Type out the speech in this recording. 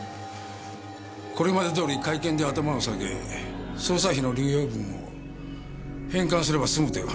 これまでどおり会見で頭を下げ捜査費の流用分を返還すれば済むという話ではありません。